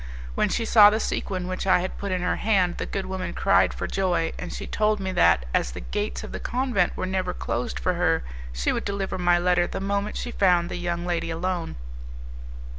When she saw the sequin which I had put in her hand the good woman cried for joy, and she told me that, as the gates of the convent were never closed for her, she would deliver my letter the moment she found the young lady alone.